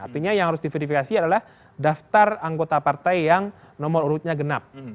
artinya yang harus diverifikasi adalah daftar anggota partai yang nomor urutnya genap